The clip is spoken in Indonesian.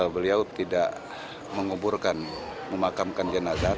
beliau tidak menguburkan memakamkan jenazah